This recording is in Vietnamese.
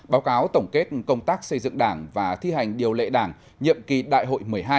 báo cáo tổng kết công tác xây dựng đảng và thi hành điều lệ đảng nhiệm kỳ đại hội một mươi hai